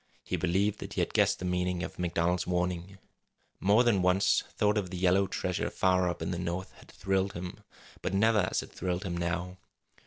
He believed that he had guessed the meaning of MacDonald's warning. It was the gold! More than once thought of the yellow treasure far up in the North had thrilled him, but never as it thrilled him now.